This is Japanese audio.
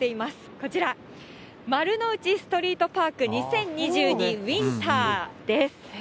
こちら、マルノウチストリートパーク２０２２ウインターです。